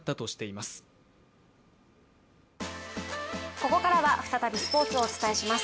ここからは再びスポーツをお伝えします。